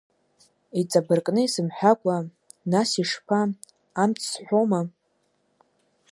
Иҵабыргны исымҳәакәа, нас, ишԥа, амц сҳәома?